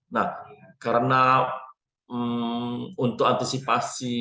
nah karena untuk antisipasi